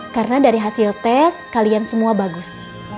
karena dari hasil tes kalian semua bagus